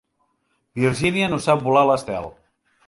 Virginia no sap volar l'estel.